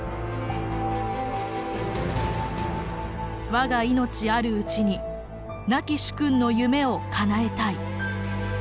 我が命あるうちに亡き主君の夢をかなえたい。